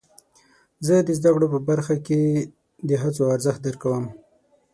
زه د زده کړې په برخه کې د هڅو ارزښت درک کوم.